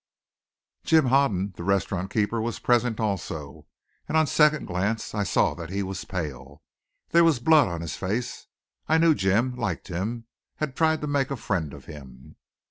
Jim Hoden, the restaurant keeper, was present also, and on second glance I saw that he was pale. There was blood on his face. I knew Jim, liked him, had tried to make a friend of him.